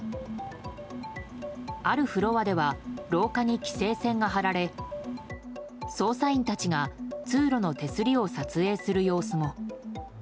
あるフロアでは廊下に規制線が張られ捜査員たちが通路の手すりを撮影する様子も。